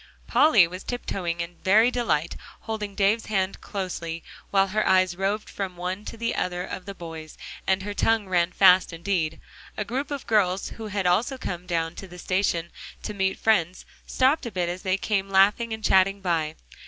Polly was tiptoeing in very delight, holding Davie's hand closely while her eyes roved from one to the other of the boys, and her tongue ran fast indeed. A group of girls, who had also come down to the station to meet friends, stopped a bit as they came laughing and chatting by.